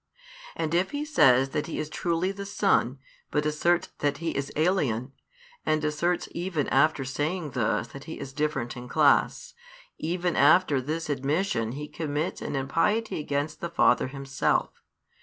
And if he says that He is truly the Son, but asserts that He is alien, and asserts even after saying this that He is different in class, even after this admission he commits an impiety against the Father Himself.